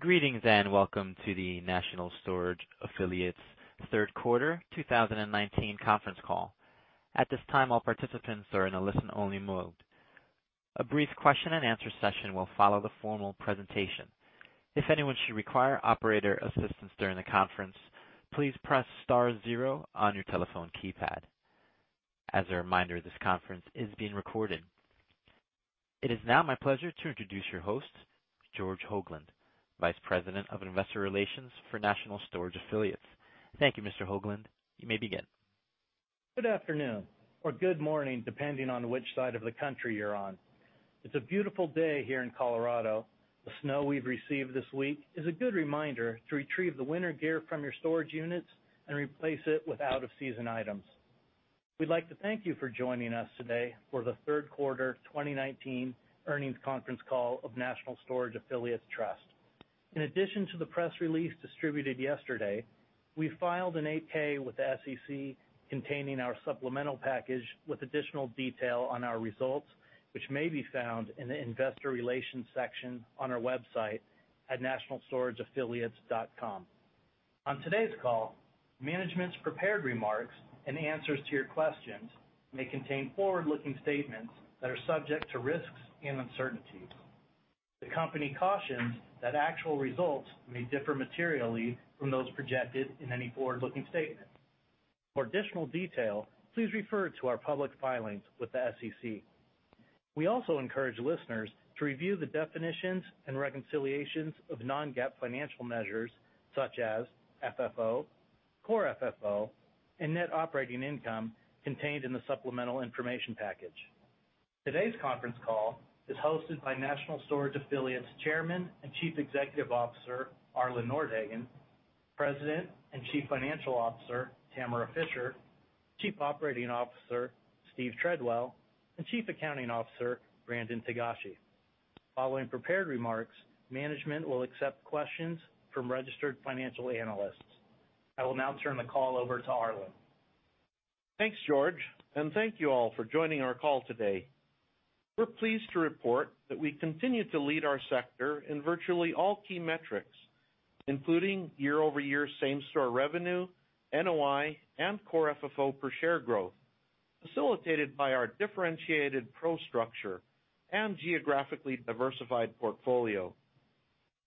Greetings and welcome to the National Storage Affiliates third quarter 2019 conference call. At this time, all participants are in a listen-only mode. A brief question and answer session will follow the formal presentation. If anyone should require operator assistance during the conference, please press star zero on your telephone keypad. As a reminder, this conference is being recorded. It is now my pleasure to introduce your host, George Hoglund, Vice President of Investor Relations for National Storage Affiliates. Thank you, Mr. Hoglund. You may begin. Good afternoon, or good morning, depending on which side of the country you're on. It's a beautiful day here in Colorado. The snow we've received this week is a good reminder to retrieve the winter gear from your storage units and replace it with out-of-season items. We'd like to thank you for joining us today for the third quarter 2019 earnings conference call of National Storage Affiliates Trust. In addition to the press release distributed yesterday, we filed an 8-K with the SEC containing our supplemental package with additional detail on our results, which may be found in the investor relations section on our website at nationalstorageaffiliates.com. On today's call, management's prepared remarks and answers to your questions may contain forward-looking statements that are subject to risks and uncertainties. The company cautions that actual results may differ materially from those projected in any forward-looking statement. For additional detail, please refer to our public filings with the SEC. We also encourage listeners to review the definitions and reconciliations of non-GAAP financial measures such as FFO, core FFO, and net operating income contained in the supplemental information package. Today's conference call is hosted by National Storage Affiliates Chairman and Chief Executive Officer, Arlen Nordhagen, President and Chief Financial Officer, Tamara Fischer, Chief Operating Officer, Steve Treadwell, and Chief Accounting Officer, Brandon Togashi. Following prepared remarks, management will accept questions from registered financial analysts. I will now turn the call over to Arlen. Thanks, George, and thank you all for joining our call today. We're pleased to report that we continue to lead our sector in virtually all key metrics, including year-over-year same-store revenue, NOI, and Core FFO per share growth, facilitated by our differentiated pro structure and geographically diversified portfolio.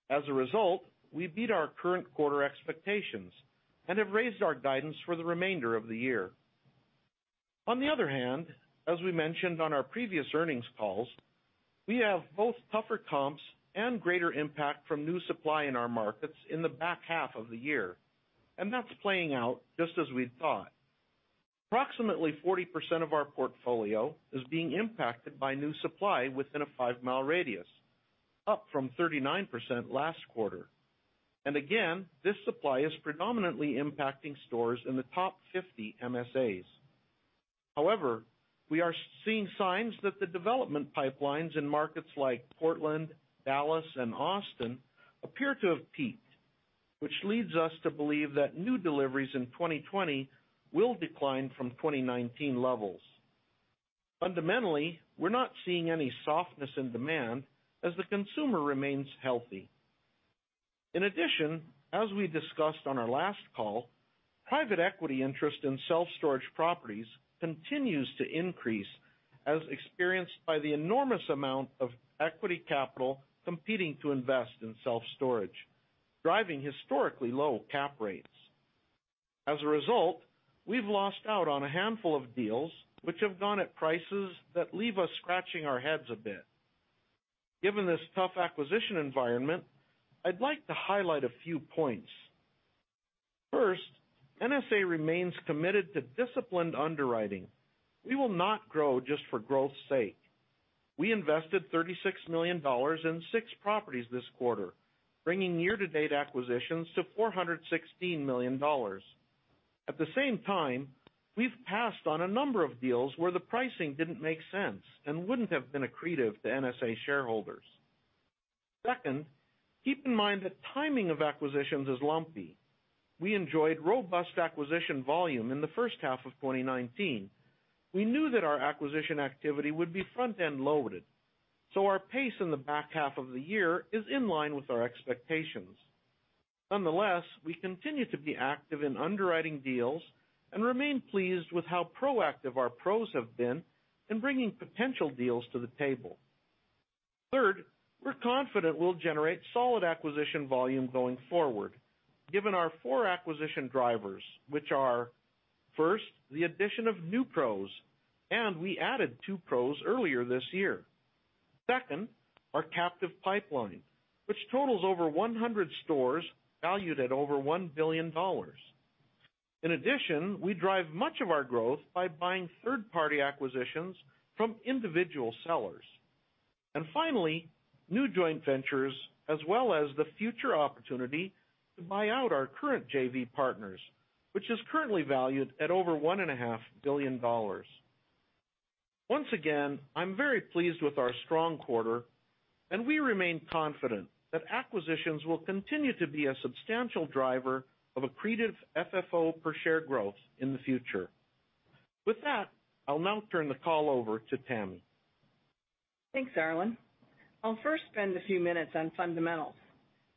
As a result, we beat our current quarter expectations and have raised our guidance for the remainder of the year. On the other hand, as we mentioned on our previous earnings calls, we have both tougher comps and greater impact from new supply in our markets in the back half of the year, and that's playing out just as we thought. Approximately 40% of our portfolio is being impacted by new supply within a five-mile radius, up from 39% last quarter. Again, this supply is predominantly impacting stores in the top 50 MSAs. However, we are seeing signs that the development pipelines in markets like Portland, Dallas, and Austin appear to have peaked, which leads us to believe that new deliveries in 2020 will decline from 2019 levels. Fundamentally, we're not seeing any softness in demand as the consumer remains healthy. In addition, as we discussed on our last call, private equity interest in self-storage properties continues to increase as experienced by the enormous amount of equity capital competing to invest in self-storage, driving historically low cap rates. As a result, we've lost out on a handful of deals which have gone at prices that leave us scratching our heads a bit. Given this tough acquisition environment, I'd like to highlight a few points. First, NSA remains committed to disciplined underwriting. We will not grow just for growth's sake. We invested $36 million in six properties this quarter, bringing year-to-date acquisitions to $416 million. At the same time, we've passed on a number of deals where the pricing didn't make sense and wouldn't have been accretive to NSA shareholders. Second, keep in mind that timing of acquisitions is lumpy. We enjoyed robust acquisition volume in the first half of 2019. We knew that our acquisition activity would be front-end loaded. Our pace in the back half of the year is in line with our expectations. Nonetheless, we continue to be active in underwriting deals and remain pleased with how proactive our pros have been in bringing potential deals to the table. Third, we're confident we'll generate solid acquisition volume going forward given our four acquisition drivers, which are, first, the addition of new pros. We added two pros earlier this year. Second, our captive pipeline, which totals over 100 stores valued at over $1 billion. In addition, we drive much of our growth by buying third-party acquisitions from individual sellers. Finally, new joint ventures as well as the future opportunity to buy out our current JV partners, which is currently valued at over $1.5 billion. Once again, I'm very pleased with our strong quarter, and we remain confident that acquisitions will continue to be a substantial driver of accretive FFO per share growth in the future. With that, I'll now turn the call over to Tammy. Thanks, Arlen. I'll first spend a few minutes on fundamentals.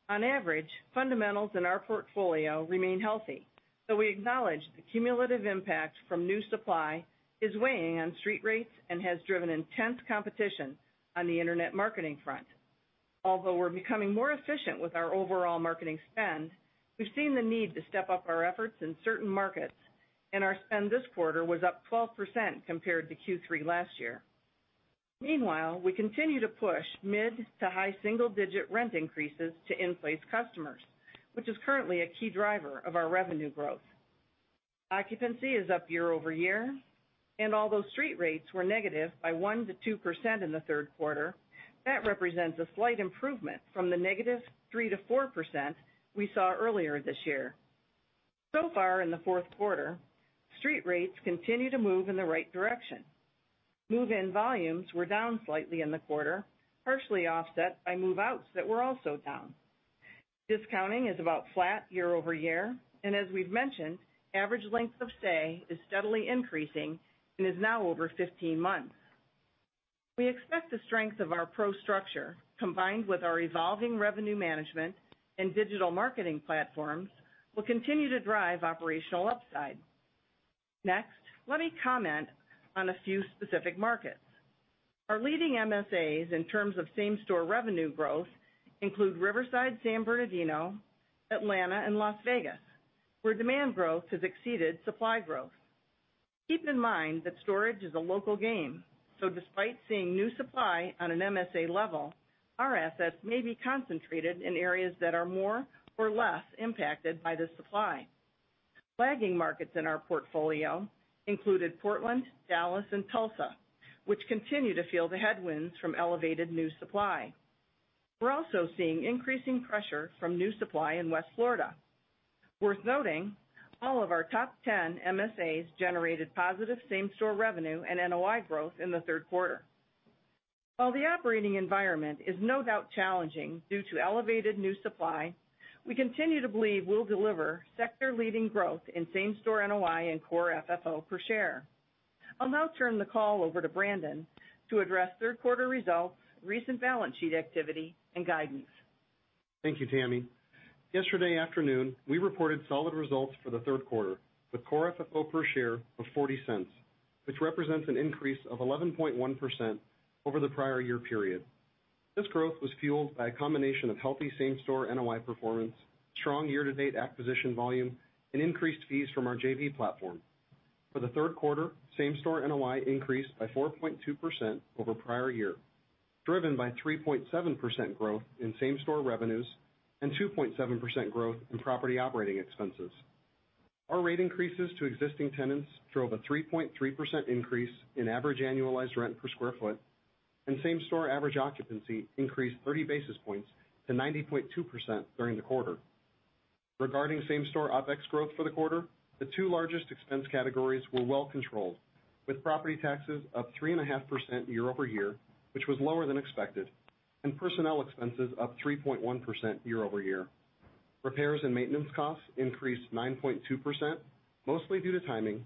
On average, fundamentals in our portfolio remain healthy. Though we acknowledge the cumulative impact from new supply is weighing on street rates and has driven intense competition on the internet marketing front. Although we're becoming more efficient with our overall marketing spend, we've seen the need to step up our efforts in certain markets, and our spend this quarter was up 12% compared to Q3 last year. Meanwhile, we continue to push mid to high single-digit rent increases to in-place customers, which is currently a key driver of our revenue growth. Occupancy is up year-over-year, and although street rates were negative by 1%-2% in the third quarter, that represents a slight improvement from the negative 3%-4% we saw earlier this year. Far in the fourth quarter, street rates continue to move in the right direction. Move-in volumes were down slightly in the quarter, partially offset by move-outs that were also down. Discounting is about flat year-over-year, and as we've mentioned, average length of stay is steadily increasing and is now over 15 months. We expect the strength of our pro structure, combined with our evolving revenue management and digital marketing platforms, will continue to drive operational upside. Next, let me comment on a few specific markets. Our leading MSAs in terms of same-store revenue growth include Riverside, San Bernardino, Atlanta, and Las Vegas, where demand growth has exceeded supply growth. Keep in mind that storage is a local game, so despite seeing new supply on an MSA level, our assets may be concentrated in areas that are more or less impacted by the supply. Lagging markets in our portfolio included Portland, Dallas, and Tulsa, which continue to feel the headwinds from elevated new supply. We're also seeing increasing pressure from new supply in West Florida. Worth noting, all of our top 10 MSAs generated positive same-store revenue and NOI growth in the third quarter. While the operating environment is no doubt challenging due to elevated new supply, we continue to believe we'll deliver sector-leading growth in same-store NOI and Core FFO per share. I'll now turn the call over to Brandon to address third quarter results, recent balance sheet activity, and guidance. Thank you, Tammy. Yesterday afternoon, we reported solid results for the third quarter, with Core FFO per share of $0.40, which represents an increase of 11.1% over the prior year period. This growth was fueled by a combination of healthy same-store NOI performance, strong year-to-date acquisition volume, and increased fees from our JV platform. For the third quarter, same-store NOI increased by 4.2% over prior year, driven by 3.7% growth in same-store revenues and 2.7% growth in property operating expenses. Our rate increases to existing tenants drove a 3.3% increase in average annualized rent per square foot, and same-store average occupancy increased 30 basis points to 90.2% during the quarter. Regarding same-store OPEX growth for the quarter, the two largest expense categories were well controlled, with property taxes up 3.5% year-over-year, which was lower than expected, and personnel expenses up 3.1% year-over-year. Repairs and maintenance costs increased 9.2%, mostly due to timing,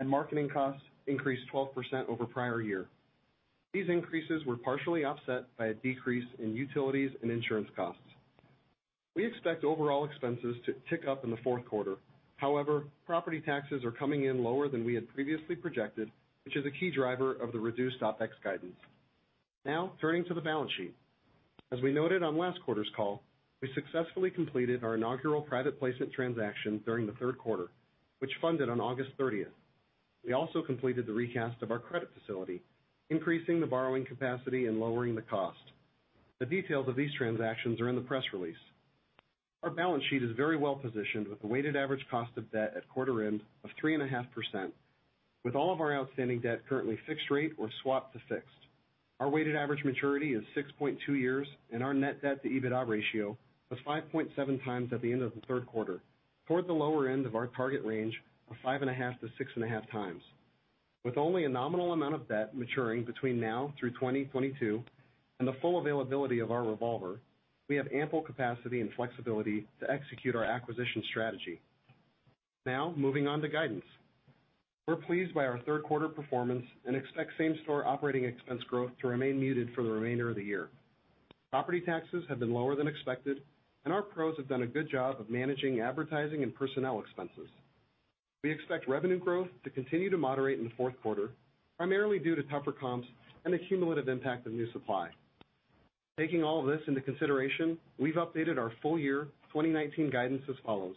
and marketing costs increased 12% over prior year. These increases were partially offset by a decrease in utilities and insurance costs. We expect overall expenses to tick up in the fourth quarter. Property taxes are coming in lower than we had previously projected, which is a key driver of the reduced OPEX guidance. Turning to the balance sheet. As we noted on last quarter's call, we successfully completed our inaugural private placement transaction during the third quarter, which funded on August 30th. We also completed the recast of our credit facility, increasing the borrowing capacity and lowering the cost. The details of these transactions are in the press release. Our balance sheet is very well-positioned, with a weighted average cost of debt at quarter end of 3.5%, with all of our outstanding debt currently fixed rate or swapped to fixed. Our weighted average maturity is 6.2 years, and our net debt to EBITDA ratio was 5.7 times at the end of the third quarter, toward the lower end of our target range of 5.5-6.5 times. With only a nominal amount of debt maturing between now through 2022 and the full availability of our revolver, we have ample capacity and flexibility to execute our acquisition strategy. Now, moving on to guidance. We're pleased by our third quarter performance and expect same-store operating expense growth to remain muted for the remainder of the year. Property taxes have been lower than expected, and our pros have done a good job of managing advertising and personnel expenses. We expect revenue growth to continue to moderate in the fourth quarter, primarily due to tougher comps and the cumulative impact of new supply. Taking all this into consideration, we've updated our full year 2019 guidance as follows.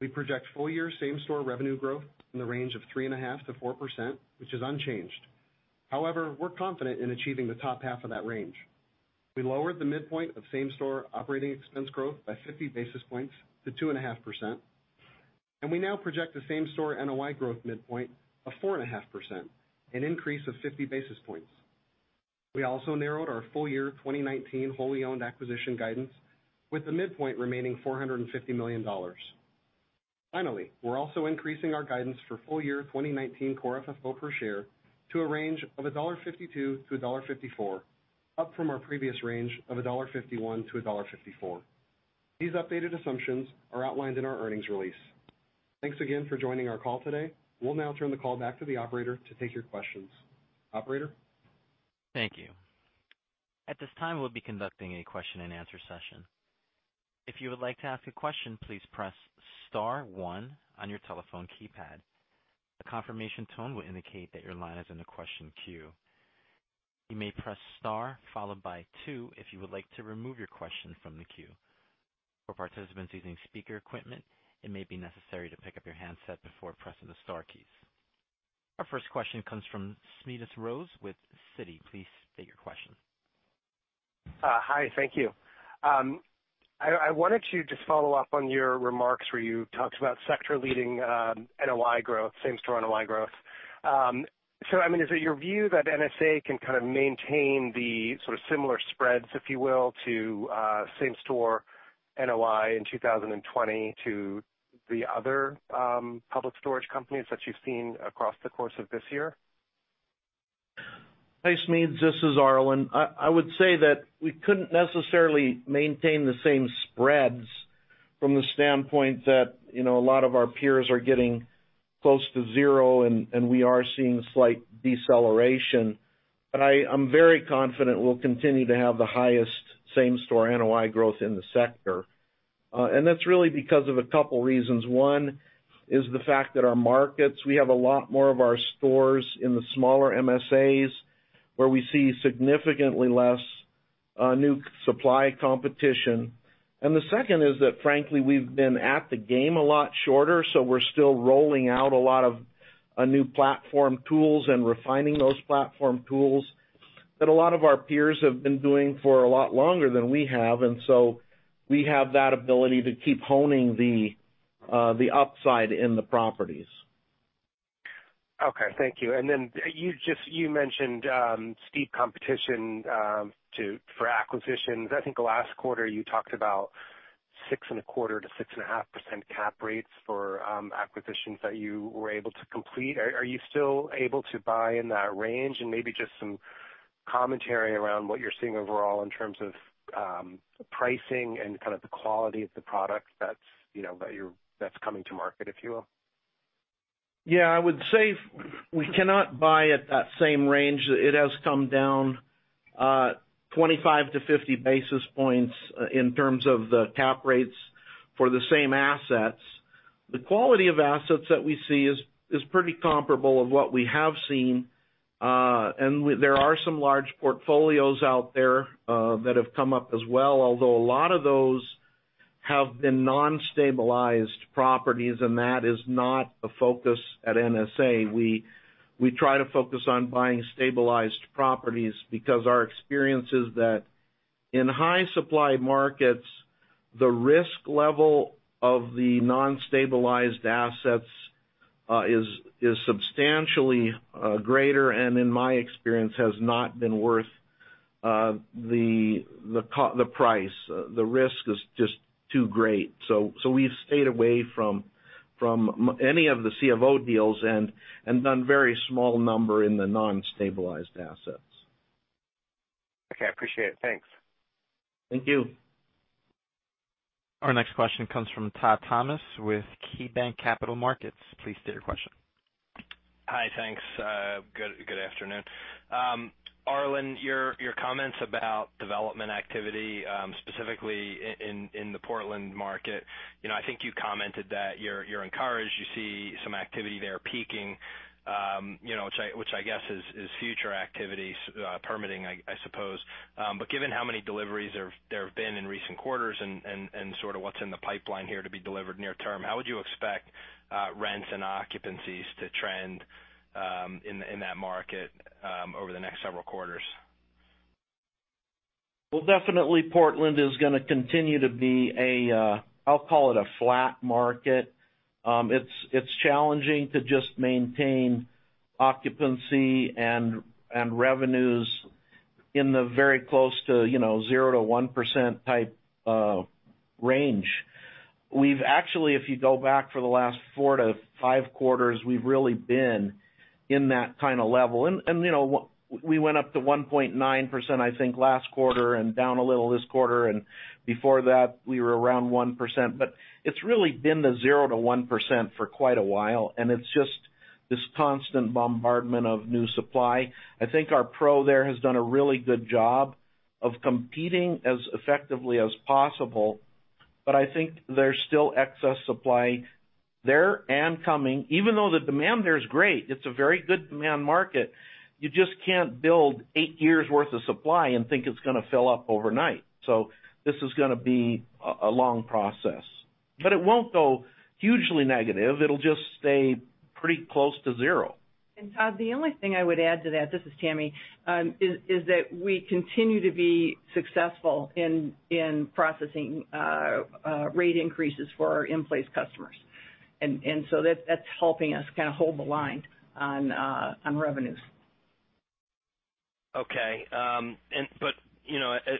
We project full-year same-store revenue growth in the range of 3.5%-4%, which is unchanged. However, we're confident in achieving the top half of that range. We lowered the midpoint of same-store operating expense growth by 50 basis points to 2.5%, and we now project a same-store NOI growth midpoint of 4.5%, an increase of 50 basis points. We also narrowed our full-year 2019 wholly owned acquisition guidance, with the midpoint remaining $450 million. Finally, we're also increasing our guidance for full-year 2019 Core FFO per share to a range of $1.52-$1.54, up from our previous range of $1.51-$1.54. These updated assumptions are outlined in our earnings release. Thanks again for joining our call today. We will now turn the call back to the operator to take your questions. Operator? Thank you. At this time, we'll be conducting a question and answer session. If you would like to ask a question, please press star one on your telephone keypad. A confirmation tone will indicate that your line is in the question queue. You may press star followed by two if you would like to remove your question from the queue. For participants using speaker equipment, it may be necessary to pick up your handset before pressing the star keys. Our first question comes from Smedes Rose with Citi. Please state your question. Hi. Thank you. I wanted to just follow up on your remarks where you talked about sector-leading NOI growth, same-store NOI growth. Is it your view that NSA can kind of maintain the sort of similar spreads, if you will, to same-store NOI in 2020 to the other Public Storage companies that you've seen across the course of this year? Thanks, Smedes. This is Arlen. I would say that we couldn't necessarily maintain the same spreads from the standpoint that a lot of our peers are getting close to zero, and we are seeing slight deceleration. I'm very confident we'll continue to have the highest same-store NOI growth in the sector. That's really because of a couple of reasons. One is the fact that our markets, we have a lot more of our stores in the smaller MSAs, where we see significantly less new supply competition. The second is that, frankly, we've been at the game a lot shorter, so we're still rolling out a lot of new platform tools and refining those platform tools that a lot of our peers have been doing for a lot longer than we have. We have that ability to keep honing the upside in the properties. Okay. Thank you. Then you mentioned steep competition for acquisitions. I think last quarter you talked about 6.25%-6.5% cap rates for acquisitions that you were able to complete. Are you still able to buy in that range? Maybe just some commentary around what you're seeing overall in terms of pricing and kind of the quality of the product that's coming to market, if you will. Yeah, I would say we cannot buy at that same range. It has come down 25 to 50 basis points in terms of the cap rates for the same assets. The quality of assets that we see is pretty comparable of what we have seen. There are some large portfolios out there that have come up as well, although a lot of those have been non-stabilized properties, and that is not a focus at NSA. We try to focus on buying stabilized properties because our experience is that in high-supply markets, the risk level of the non-stabilized assets is substantially greater and in my experience, has not been worth the price. The risk is just too great. We've stayed away from any of the C/O deals and done very small number in the non-stabilized assets. Okay. I appreciate it. Thanks. Thank you. Our next question comes from Todd Thomas with KeyBanc Capital Markets. Please state your question. Hi. Thanks. Good afternoon. Arlen, your comments about development activity, specifically in the Portland market. I think you commented that you're encouraged, you see some activity there peaking, which I guess is future activity permitting, I suppose. Given how many deliveries there have been in recent quarters and sort of what's in the pipeline here to be delivered near term, how would you expect rents and occupancies to trend in that market over the next several quarters? Well, definitely Portland is going to continue to be a, I'll call it a flat market. It's challenging to just maintain occupancy and revenues in the very close to 0%-1% type of range. We've actually, if you go back for the last four to five quarters, we've really been in that kind of level. We went up to 1.9%, I think, last quarter and down a little this quarter, and before that we were around 1%. It's really been the 0%-1% for quite a while, and it's just this constant bombardment of new supply. I think our pro there has done a really good job of competing as effectively as possible, but I think there's still excess supply there and coming, even though the demand there is great. It's a very good demand market. You just can't build eight years' worth of supply and think it's going to fill up overnight. This is going to be a long process. It won't go hugely negative. It'll just stay pretty close to zero. Todd, the only thing I would add to that, this is Tammy, is that we continue to be successful in processing rate increases for our in-place customers. That's helping us kind of hold the line on revenues. As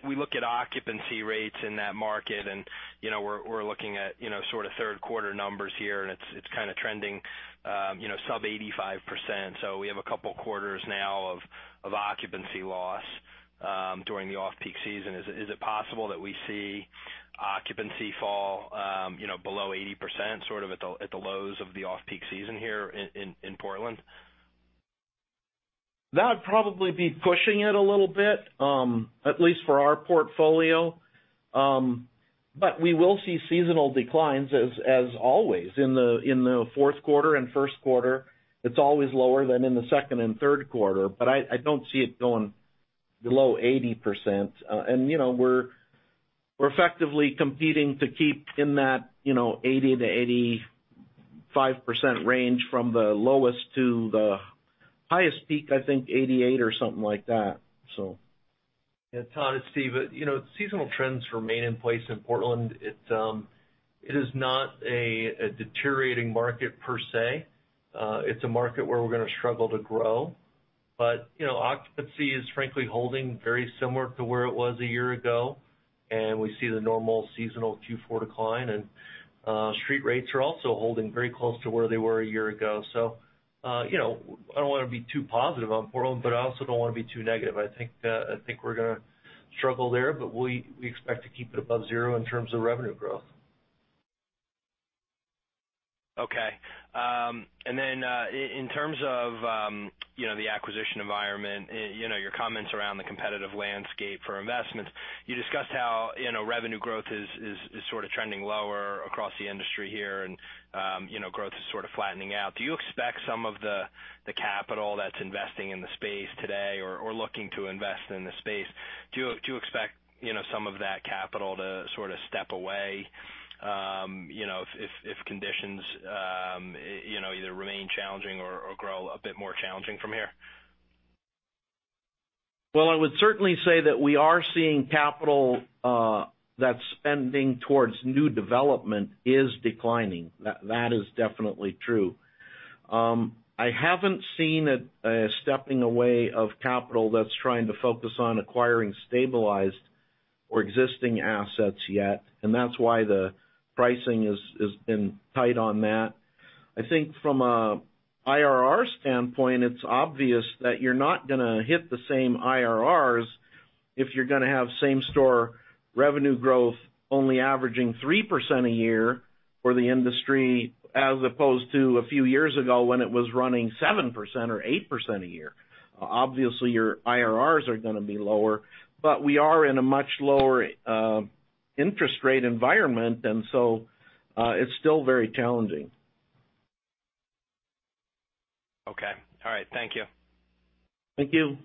we look at occupancy rates in that market, and we're looking at sort of third-quarter numbers here, and it's kind of trending sub 85%, so we have a couple of quarters now of occupancy loss during the off-peak season. Is it possible that we see occupancy fall below 80%, sort of at the lows of the off-peak season here in Portland? That would probably be pushing it a little bit, at least for our portfolio. We will see seasonal declines as always in the fourth quarter and first quarter. It's always lower than in the second and third quarter, but I don't see it going below 80%. We're effectively competing to keep in that 80%-85% range from the lowest to the highest peak, I think, 88% or something like that. Yeah, Todd, it's Stephen. Seasonal trends remain in place in Portland. It is not a deteriorating market per se. It's a market where we're going to struggle to grow. Occupancy is frankly holding very similar to where it was a year ago, and we see the normal seasonal Q4 decline, and street rates are also holding very close to where they were a year ago. I don't want to be too positive on Portland, but I also don't want to be too negative. I think we're going to struggle there, but we expect to keep it above zero in terms of revenue growth. Okay. In terms of the acquisition environment, your comments around the competitive landscape for investments, you discussed how revenue growth is sort of trending lower across the industry here and growth is sort of flattening out. Do you expect some of the capital that's investing in the space today or looking to invest in the space, do you expect some of that capital to sort of step away, if conditions either remain challenging or grow a bit more challenging from here? I would certainly say that we are seeing capital that's spending towards new development is declining. That is definitely true. I haven't seen a stepping away of capital that's trying to focus on acquiring stabilized or existing assets yet, and that's why the pricing has been tight on that. I think from a IRR standpoint, it's obvious that you're not going to hit the same IRRs if you're going to have same-store revenue growth only averaging 3% a year for the industry, as opposed to a few years ago when it was running 7% or 8% a year. Obviously, your IRRs are going to be lower. We are in a much lower interest rate environment, it's still very challenging. Okay. All right. Thank you. Thank you.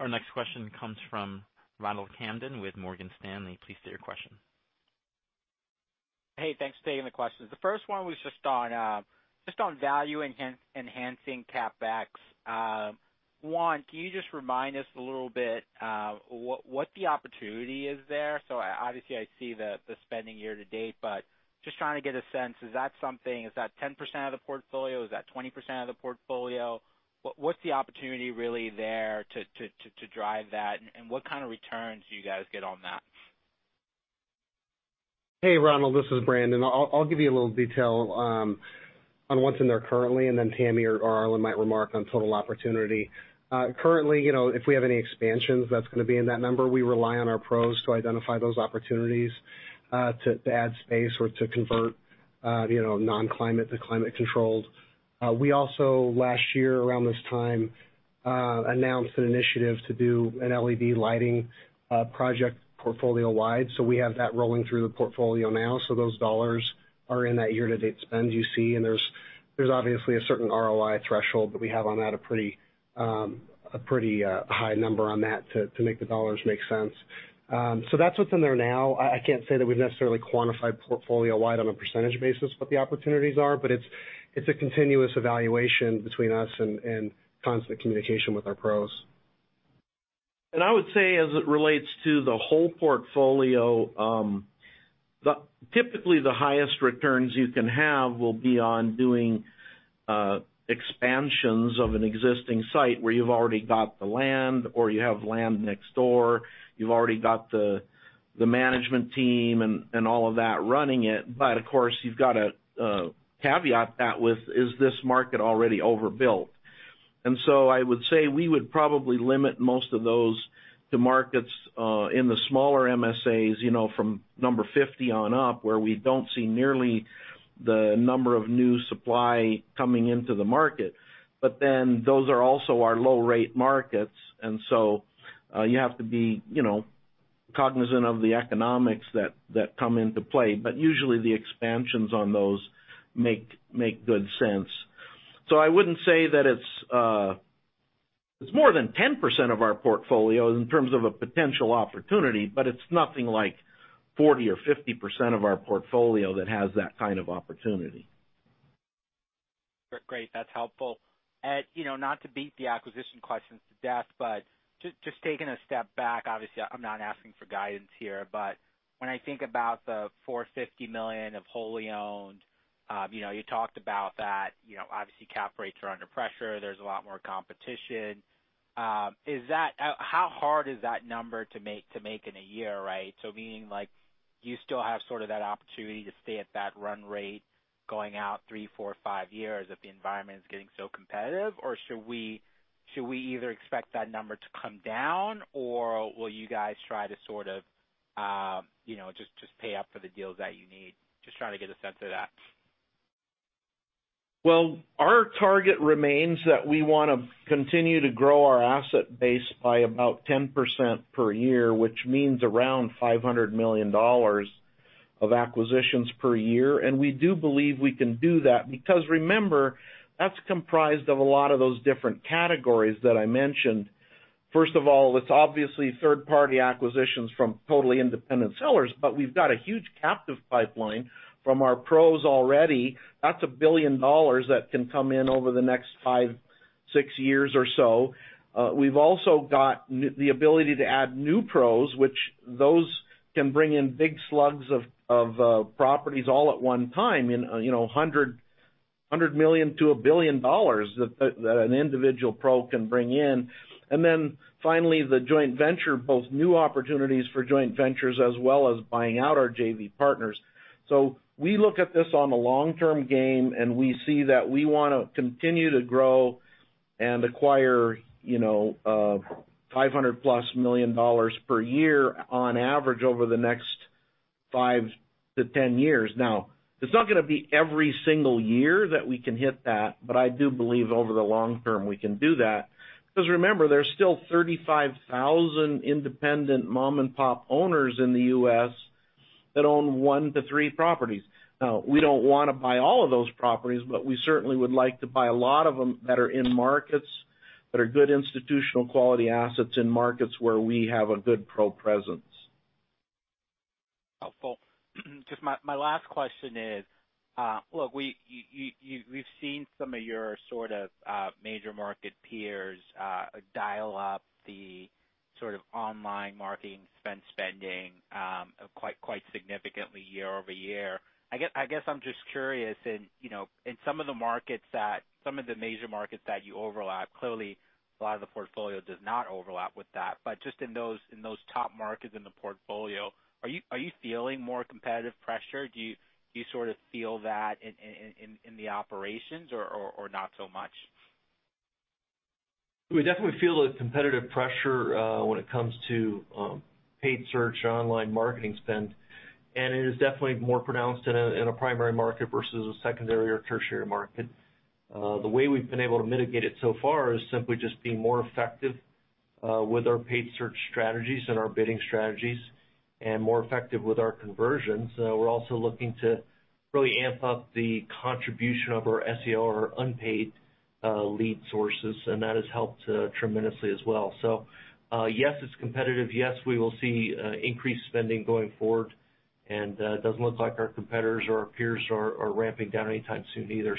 Our next question comes from Ronald Kamdem with Morgan Stanley. Please state your question. Hey, thanks for taking the questions. The first one was just on value-enhancing CapEx. One, can you just remind us a little bit, what the opportunity is there? Obviously, I see the spending year to date, but just trying to get a sense. Is that 10% of the portfolio? Is that 20% of the portfolio? What's the opportunity really there to drive that, and what kind of returns do you guys get on that? Hey, Ronald, this is Brandon. I'll give you a little detail on what's in there currently, and then Tammy or Arlen might remark on total opportunity. Currently, if we have any expansions that's going to be in that number, we rely on our pros to identify those opportunities, to add space or to convert non-climate to climate controlled. We also, last year around this time, announced an initiative to do an LED lighting project portfolio-wide. We have that rolling through the portfolio now. Those dollars are in that year-to-date spend you see, and there's obviously a certain ROI threshold, but we have on that a pretty high number on that to make the dollars make sense. That's what's in there now. I can't say that we've necessarily quantified portfolio-wide on a percentage basis what the opportunities are, but it's a continuous evaluation between us and constant communication with our pros. I would say as it relates to the whole portfolio, typically the highest returns you can have will be on doing expansions of an existing site where you've already got the land, or you have land next door, you've already got the management team and all of that running it. Of course, you've got to caveat that with, is this market already overbuilt? I would say we would probably limit most of those to markets in the smaller MSAs from number 50 on up where we don't see nearly the number of new supply coming into the market. Those are also our low-rate markets, and so you have to be cognizant of the economics that come into play. Usually, the expansions on those make good sense. I wouldn't say that it's more than 10% of our portfolio in terms of a potential opportunity, but it's nothing like 40% or 50% of our portfolio that has that kind of opportunity. Great. That's helpful. Not to beat the acquisition questions to death, but just taking a step back, obviously, I'm not asking for guidance here, but when I think about the $450 million of wholly owned, you talked about that, obviously, cap rates are under pressure. There's a lot more competition. How hard is that number to make in a year, right? Meaning, do you still have that opportunity to stay at that run rate going out three, four, five years if the environment is getting so competitive? Or should we either expect that number to come down, or will you guys try to just pay up for the deals that you need? Just trying to get a sense of that. Well, our target remains that we want to continue to grow our asset base by about 10% per year, which means around $500 million of acquisitions per year. We do believe we can do that, because remember, that's comprised of a lot of those different categories that I mentioned. First of all, it's obviously third-party acquisitions from totally independent sellers, but we've got a huge captive pipeline from our PROs already. That's $1 billion that can come in over the next five, six years or so. We've also got the ability to add new PROs, which those can bring in big slugs of properties all at one time in $100 million to $1 billion that an individual PRO can bring in. Then finally, the joint venture, both new opportunities for joint ventures as well as buying out our JV partners. We look at this on a long-term gain, and we see that we want to continue to grow and acquire $500+ million per year on average over the next 5 to 10 years. It's not going to be every single year that we can hit that, but I do believe over the long term, we can do that. Remember, there's still 35,000 independent mom-and-pop owners in the U.S. that own one to three properties. We don't want to buy all of those properties, but we certainly would like to buy a lot of them that are in markets, that are good institutional quality assets in markets where we have a good PRO presence. Helpful. Just my last question is, look, we've seen some of your major market peers dial up the online marketing spending quite significantly year-over-year. I guess I'm just curious in some of the major markets that you overlap. Clearly, a lot of the portfolio does not overlap with that. Just in those top markets in the portfolio, are you feeling more competitive pressure? Do you feel that in the operations or not so much? We definitely feel the competitive pressure when it comes to paid search, online marketing spend. It is definitely more pronounced in a primary market versus a secondary or tertiary market. The way we've been able to mitigate it so far is simply just being more effective with our paid search strategies and our bidding strategies and more effective with our conversions. We're also looking to really amp up the contribution of our SEO or unpaid lead sources. That has helped tremendously as well. Yes, it's competitive. Yes, we will see increased spending going forward. It doesn't look like our competitors or our peers are ramping down anytime soon either.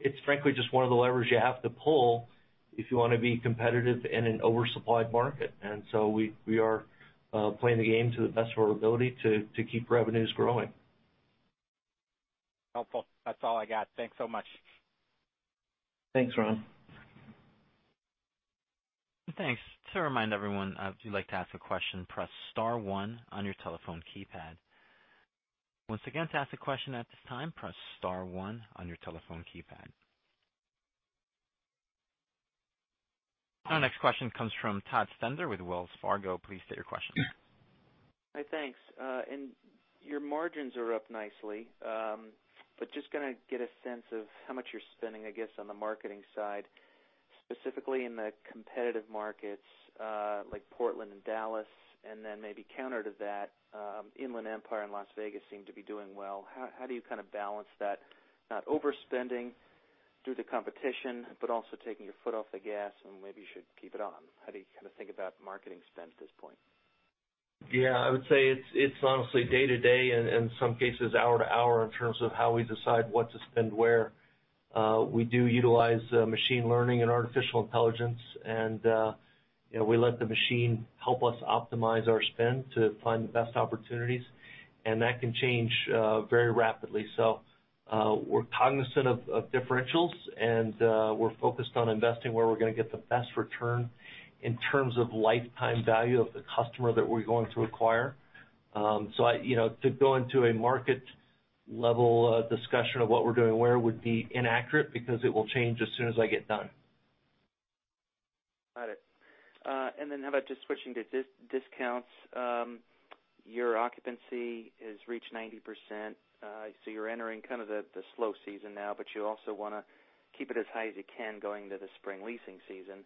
It's frankly just one of the levers you have to pull if you want to be competitive in an oversupplied market. We are playing the game to the best of our ability to keep revenues growing. Helpful. That's all I got. Thanks so much. Thanks, Ron. Thanks. Just to remind everyone, if you'd like to ask a question, press star one on your telephone keypad. Once again, to ask a question at this time, press star one on your telephone keypad. Our next question comes from Todd Stender with Wells Fargo. Please state your question. Hi, thanks. Your margins are up nicely. Just gonna get a sense of how much you're spending, I guess, on the marketing side, specifically in the competitive markets like Portland and Dallas. Maybe counter to that, Inland Empire and Las Vegas seem to be doing well. How do you kind of balance that, not overspending due to competition, but also taking your foot off the gas and maybe you should keep it on? How do you kind of think about marketing spend at this point? I would say it's honestly day to day and in some cases, hour to hour in terms of how we decide what to spend where. We do utilize machine learning and artificial intelligence, and we let the machine help us optimize our spend to find the best opportunities, and that can change very rapidly. We're cognizant of differentials, and we're focused on investing where we're going to get the best return in terms of lifetime value of the customer that we're going to acquire. To go into a market-level discussion of what we're doing where would be inaccurate because it will change as soon as I get done. Got it. How about just switching to discounts? Your occupancy has reached 90%. I see you're entering kind of the slow season now, but you also wanna keep it as high as you can going into the spring leasing season,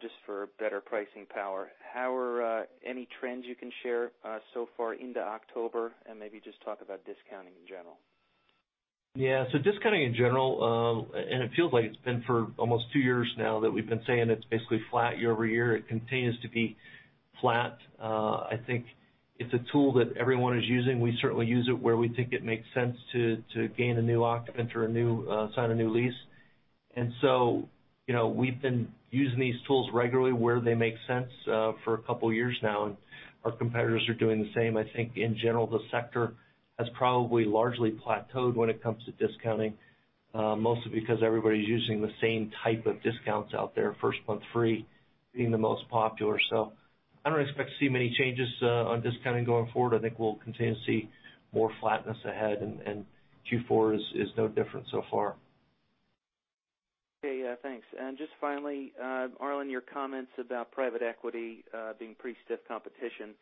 just for better pricing power. Any trends you can share so far into October? Maybe just talk about discounting in general. Yeah. Discounting in general, and it feels like it's been for almost 2 years now that we've been saying it's basically flat year-over-year. It continues to be flat. I think it's a tool that everyone is using. We certainly use it where we think it makes sense to gain a new occupant or sign a new lease. We've been using these tools regularly where they make sense for a couple of years now, and our competitors are doing the same. I think in general, the sector has probably largely plateaued when it comes to discounting. Mostly because everybody's using the same type of discounts out there, first month free being the most popular. I don't expect to see many changes on discounting going forward. I think we'll continue to see more flatness ahead, and Q4 is no different so far. Okay, yeah, thanks. Just finally, Arlen, your comments about private equity being pretty stiff competition,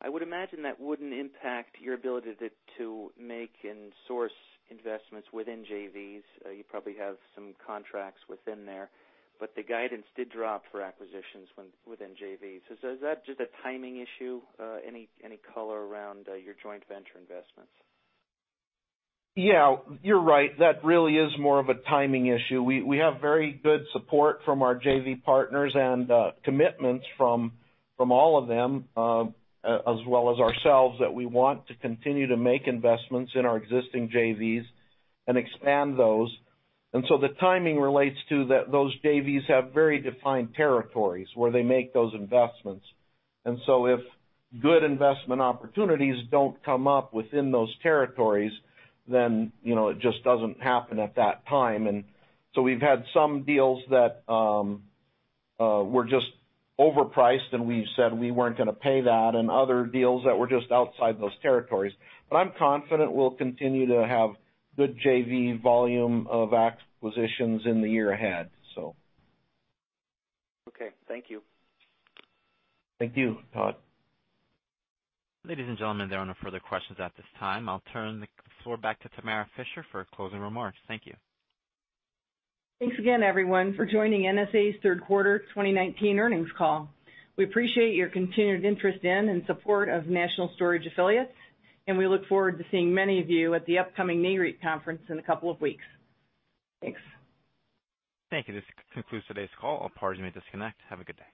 I would imagine that wouldn't impact your ability to make and source investments within JVs. You probably have some contracts within there. The guidance did drop for acquisitions within JVs. Is that just a timing issue? Any color around your joint venture investments? Yeah, you're right. That really is more of a timing issue. We have very good support from our JV partners and commitments from all of them, as well as ourselves, that we want to continue to make investments in our existing JVs and expand those. The timing relates to those JVs have very defined territories where they make those investments. If good investment opportunities don't come up within those territories, then it just doesn't happen at that time. We've had some deals that were just overpriced, and we said we weren't going to pay that, and other deals that were just outside those territories. I'm confident we'll continue to have good JV volume of acquisitions in the year ahead. Okay. Thank you. Thank you, Todd. Ladies and gentlemen, there are no further questions at this time. I'll turn the floor back to Tamara Fischer for closing remarks. Thank you. Thanks again, everyone, for joining NSA's third quarter 2019 earnings call. We appreciate your continued interest in and support of National Storage Affiliates, and we look forward to seeing many of you at the upcoming Nareit conference in a couple of weeks. Thanks. Thank you. This concludes today's call. All parties may disconnect. Have a good day.